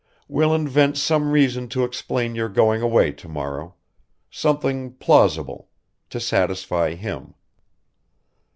We'll invent some reason to explain your going away to morrow ... something plausible ... to satisfy him.